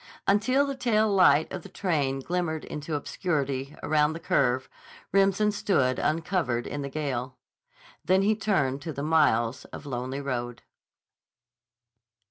Until the tail light of the train glimmered into obscurity around the curve, Remsen stood uncovered in the gale. Then he turned to the miles of lonely road.